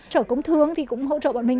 sở công thương cũng hỗ trợ bọn mình